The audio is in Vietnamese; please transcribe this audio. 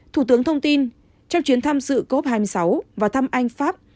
thủ tướng thông tin trong chuyến thăm sự cop hai mươi sáu và thăm anh pháp